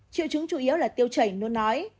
triệu chứng chủ yếu là tiêu chảy nó nói